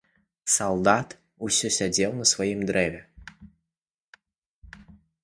Салдат усё сядзеў на сваім дрэве.